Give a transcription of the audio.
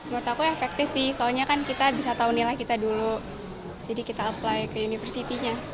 menurut aku efektif sih soalnya kan kita bisa tahu nilai kita dulu jadi kita apply ke university nya